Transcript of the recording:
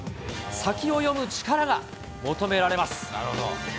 先を読む力が求められます。